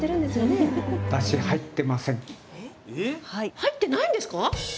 入ってないんですか